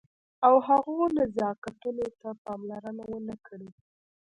او هغو نزاکتونو ته پاملرنه ونه کړئ.